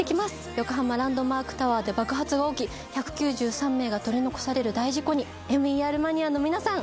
横浜・ランドマークタワーで爆発が起き１９３名が取り残される大事故にＭＥＲマニアの皆さん